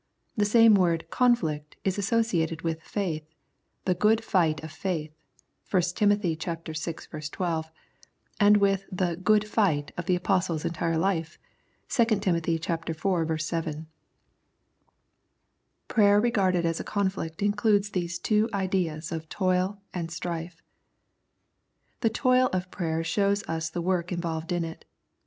The same word " conflict " is associated with faith, " the good fight of faith " (i Tim. vi. 12), and with the " good fight " of the Apostle's entire life (2 Tim. iv. 7). Prayer regarded as a conflict includes the two ideas of toil and strife. The toil of prayer shows us the work involved in it.